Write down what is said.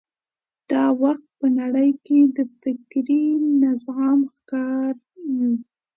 دا وخت په نړۍ کې د فکري نه زغم ښکار یو.